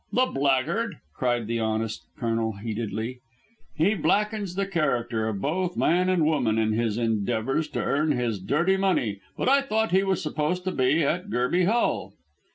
"The blackguard," cried the honest Colonel heatedly; "he blackens the character of both man and woman in his endeavours to earn his dirty money. But I thought he was supposed to be at Gerby Hall?"